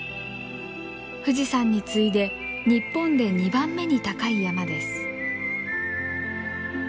富士山に次いで日本で二番目に高い山です。